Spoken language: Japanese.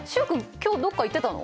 今日どっか行ってたの？